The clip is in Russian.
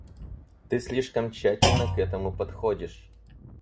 Ты слишком тщательно к этому подходишь.